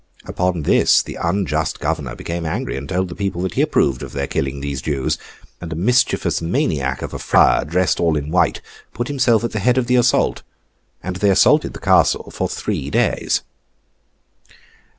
Upon this, the unjust Governor became angry, and told the people that he approved of their killing those Jews; and a mischievous maniac of a friar, dressed all in white, put himself at the head of the assault, and they assaulted the Castle for three days.